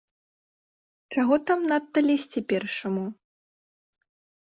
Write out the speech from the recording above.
Чаго там надта лезці першаму.